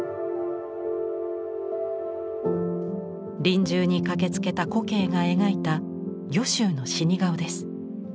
臨終に駆けつけた古径が描いた御舟の死に顔です。